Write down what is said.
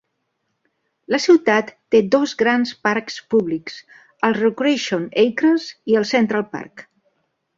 La ciutat té dos gran parcs públics: el Recreation Acres i el Central Park.